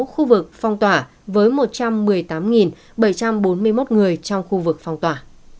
một hai trăm một mươi sáu khu vực phong tỏa với một trăm một mươi tám bảy trăm bốn mươi một người trong khu vực phong tỏa